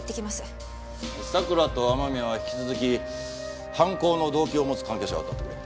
佐倉と雨宮は引き続き犯行の動機を持つ関係者を当たってくれ。